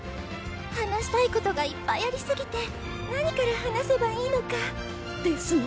話したいことがいっぱいありすぎて何から話せばいいのか。ですね。